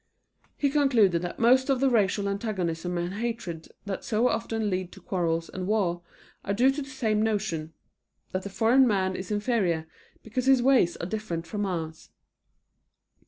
He concluded that most of the racial antagonisms and hatreds that so often lead to quarrels and war are due to the same notion; that the foreign man is inferior because his ways are different from ours.